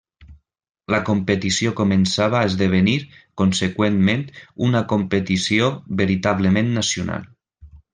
La competició començava a esdevenir, conseqüentment una competició veritablement nacional.